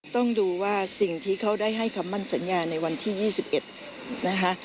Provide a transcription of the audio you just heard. ต้องดูว่าสิ่งที่เขาได้ให้คำมั่นสัญญาในวันที่๒๑นะคะ